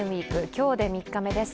今日で３日目です。